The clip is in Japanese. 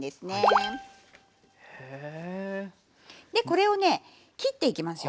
でこれをね切っていきますよ。